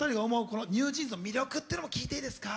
このＮｅｗＪｅａｎｓの魅力ってのも聞いていいですか？